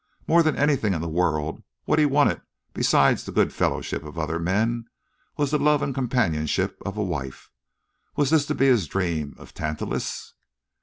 More than anything in the world, what he wanted besides the good fellowship of other men was the love and companionship of a wife. Was his to be the dream of Tantalus?